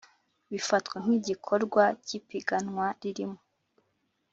Bifatwa nk igikorwa cy ipiganwa ririmo